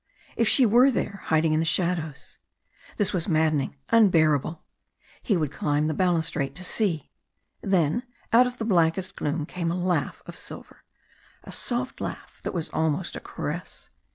If she were there hiding in the shadows. This was maddening unbearable. He would climb the balustrade to see. Then out of the blackest gloom came a laugh of silver. A soft laugh that was almost a caress.